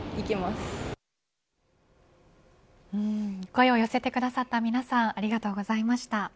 声を寄せてくださった皆さんありがとうございました。